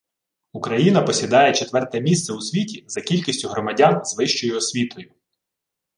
Україна посідає четверте місце у світі за кількістю громадян із вищою освітою